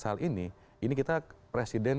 hal ini ini kita presiden